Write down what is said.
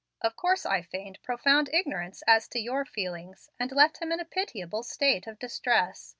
Of course I feigned profound ignorance as to your feelings, and left him in a pitiable state of distress.